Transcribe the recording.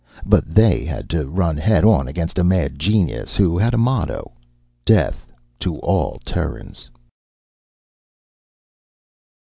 But they had to run head on against a mad genius who had a motto:_ _Death to all Terrans!